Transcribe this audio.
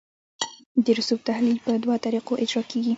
د رسوب تحلیل په دوه طریقو اجرا کیږي